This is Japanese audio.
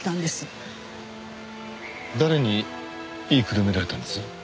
誰に言いくるめられたんです？